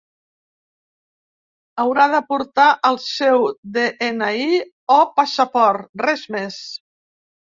Haurà de portar el seu de-ena-i o passaport, res més.